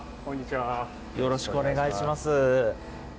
よろしくお願いします。